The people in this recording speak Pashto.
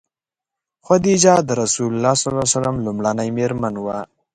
خدیجه د رسول الله ﷺ لومړنۍ مېرمن وه.